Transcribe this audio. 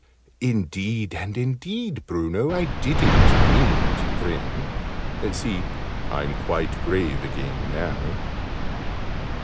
"Indeed and indeed, Bruno, I didn't mean to grin. See, I'm quite grave again now."